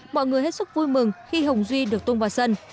mọi người hết sức vui mừng khi hồng duy được tung vào sân